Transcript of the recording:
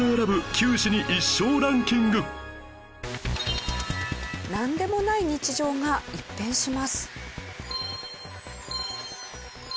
出演者のなんでもない日常が一変します。